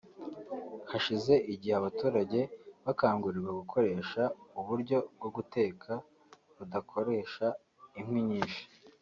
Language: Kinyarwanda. Hashize igihe abaturage bakangurirwa gukoresha uburyo bwo guteka budakoresha inkwi nyinshi